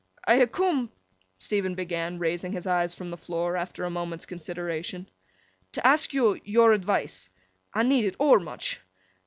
'I ha' coom,' Stephen began, raising his eyes from the floor, after a moment's consideration, 'to ask yo yor advice. I need 't overmuch.